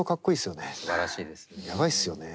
すばらしいですね。